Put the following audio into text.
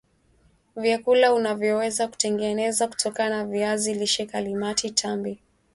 vyakula unavyoweza kutengeneza kutokana na viazi lishe Kalimati tambi